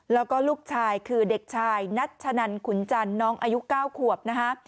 แล้วก็ลูกชายคือเด็กชายนัชนันขุนจันทร์น้องอายุ๙ขวบนะคะ